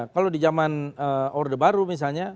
kalau di zaman orde baru misalnya